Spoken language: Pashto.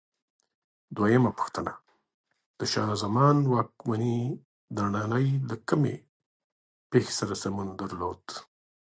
دویمه پوښتنه: د شاه زمان واکمنۍ د نړۍ له کومې پېښې سره سمون درلود؟